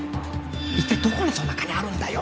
いったいどこにそんな金あるんだよ